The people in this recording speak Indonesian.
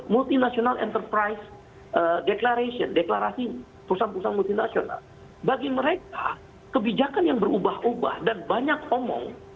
multinational enterprise declaration deklarasi perusahaan perusahaan multinasional bagi mereka kebijakan yang berubah ubah dan banyak omong